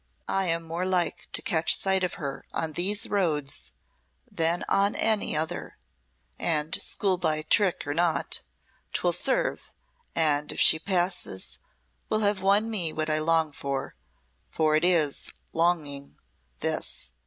"I am more like to catch sight of her on these roads than on any other, and, school boy trick or not, 'twill serve, and if she passes will have won me what I long for for it is longing, this.